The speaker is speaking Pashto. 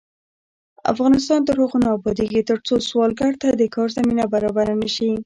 افغانستان تر هغو نه ابادیږي، ترڅو سوالګر ته د کار زمینه برابره نشي.